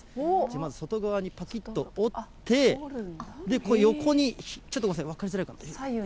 まず外側にぱきっと折って、横にちょっとごめんなさい、分かりづらい。